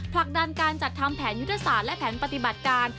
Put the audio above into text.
ผลักดันการจัดทำแผนยุทธศาสตร์และแผนปฏิบัติการ